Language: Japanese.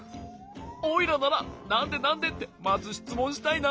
おいらなら「なんで？なんで？」ってまずしつもんしたいな。